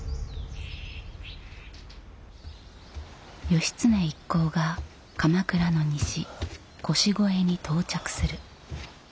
義経一行が鎌倉の西腰越に到着する。